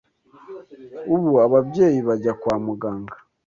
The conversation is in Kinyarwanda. Ubu ababyeyi bajya kwa muganga